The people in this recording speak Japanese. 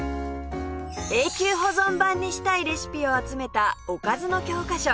永久保存版にしたいレシピを集めた「おかずの教科書」